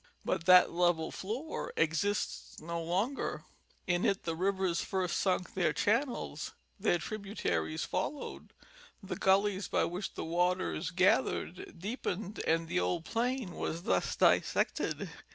But that level floor exists no longer; in it the rivers first sunk their channels, their tributaries followed, the gullies by which the waters gathered deepened, and the old plain was thus dissected.